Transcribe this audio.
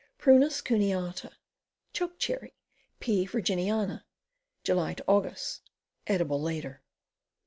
Prunus cuneata. Choke Cherry. P. Virginiana. July Aug. (Edible later.)